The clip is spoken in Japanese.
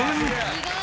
意外。